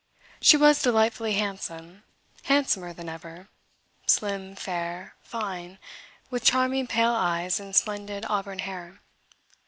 She was delightfully handsome handsomer than ever; slim, fair, fine, with charming pale eyes and splendid auburn hair.